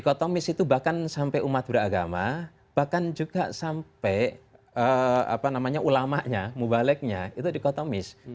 dikotomis itu bahkan sampai umat beragama bahkan juga sampai ulamanya mubaliknya itu dikotomis